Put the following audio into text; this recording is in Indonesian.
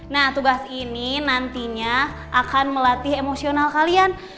nah tugas ini nantinya akan melatih emosional kalian